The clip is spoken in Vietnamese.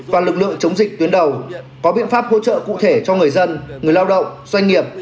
và lực lượng chống dịch tuyến đầu có biện pháp hỗ trợ cụ thể cho người dân người lao động doanh nghiệp